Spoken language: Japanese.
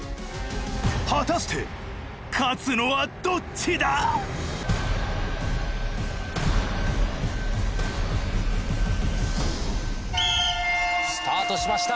果たして勝つのはどっちだ！？スタートしました。